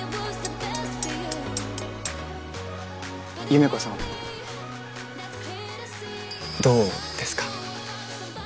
優芽子さんどうですか？